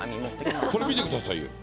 これ見てくださいよ。